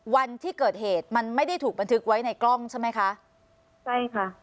วันที่เกิดเหตุมันไม่ได้ถูกบันทึกไว้ในกล้องใช่ไหมคะใช่ค่ะ